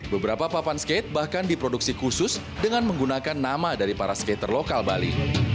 beberapa papan skate bahkan diproduksi khusus dengan menggunakan nama dari para skater lokal bali